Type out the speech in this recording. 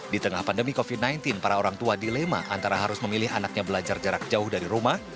di tengah pandemi covid sembilan belas para orang tua dilema antara harus memilih anaknya belajar jarak jauh dari rumah